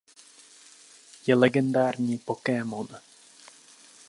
Je legendární pokémon.